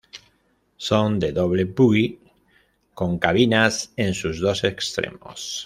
Son de doble bogie, con cabinas en sus dos extremos.